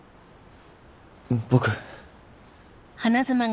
僕。